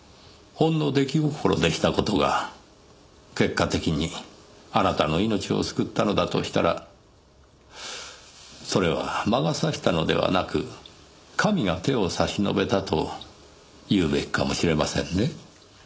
ほんの出来心でした事が結果的にあなたの命を救ったのだとしたらそれは魔が差したのではなく神が手を差し伸べたと言うべきかもしれませんね。